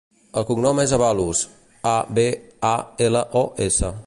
El cognom és Abalos: a, be, a, ela, o, essa.